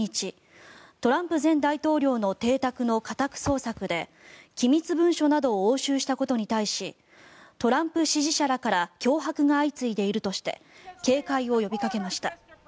トランプ前大統領の邸宅の家宅捜索で機密文書などを押収したことに対しトランプ支持者らから脅迫が相次いでいるとして警戒を呼びかけました。